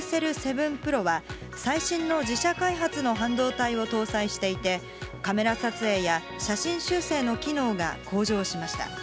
７Ｐｒｏは最新の自社開発の半導体を搭載していて、カメラ撮影や写真修整の機能が向上しました。